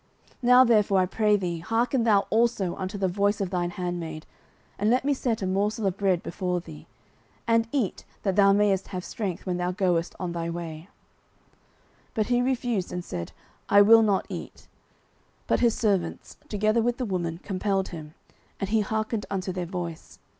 09:028:022 Now therefore, I pray thee, hearken thou also unto the voice of thine handmaid, and let me set a morsel of bread before thee; and eat, that thou mayest have strength, when thou goest on thy way. 09:028:023 But he refused, and said, I will not eat. But his servants, together with the woman, compelled him; and he hearkened unto their voice.